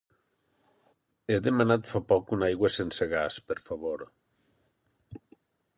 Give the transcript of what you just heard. He demanat fa poc una aigua sense gas, per favor.